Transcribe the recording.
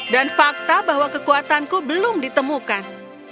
dan fakta bahwa kekuatanku belum ditemukan